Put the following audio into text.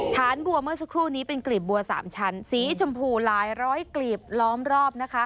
ฐานบัวเมื่อสักครู่นี้เป็นกลีบบัว๓ชั้นสีชมพูหลายร้อยกลีบล้อมรอบนะคะ